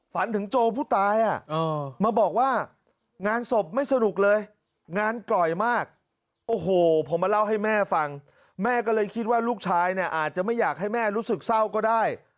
ฝันถึงโจผู้ตายมาบอกว่างานศพไม่สนุกเลยงานกล่อยมากโอ้โหผมมาเล่าให้แม่ฟังแม่ก็เลยคิดว่าลูกชายเนี่ยอาจจะไม่อยากให้แม่รู้สึกเศร้าก็ได้